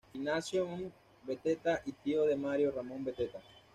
Ignacio M. Beteta, y tío de Mario Ramón Beteta.